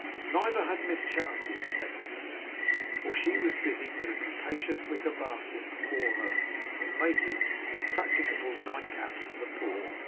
Neither had Miss Charity expected them, for she was busied, with a capacious wicker basket before her, in making impracticable nightcaps for the poor.